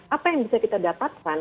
apa yang bisa kita dapatkan